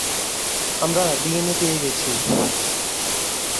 আমরা ডিএনএ পেয়ে গেছি।